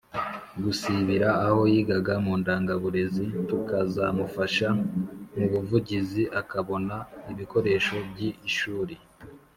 gusibira aho yigaga mu Ndangaburezi tukazamufasha mu buvugizi akabona ibikoresho byi ishuri